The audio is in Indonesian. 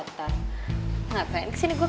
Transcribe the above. ngapain kesini gue